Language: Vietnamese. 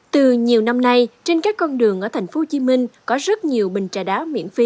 từ nhiều năm nay trên các con đường ở tp hcm có rất nhiều bình trà đá miễn phí